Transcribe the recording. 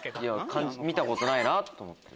漢字見たことないなと思って。